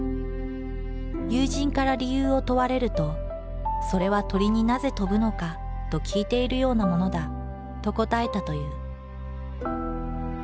友人から理由を問われると「それは鳥に『なぜ飛ぶのか？』と聞いているようなものだ」と答えたという。